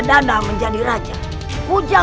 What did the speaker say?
di video selanjutnya